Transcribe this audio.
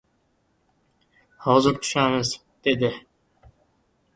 — Hozir tushamiz! — dedi.